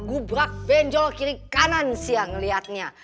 gubrak benjol kiri kanan sih yang ngeliatnya